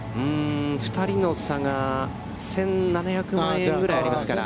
２人の差が１７００万円ぐらいありますから。